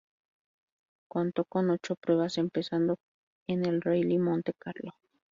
Contó con ocho pruebas, empezando en el Rallye Monte Carlo.